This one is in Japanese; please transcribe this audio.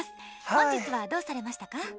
本日はどうされましたか？